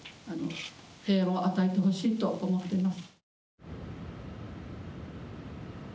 平和を与えてほしいと思ってます